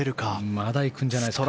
まだ行くんじゃないか。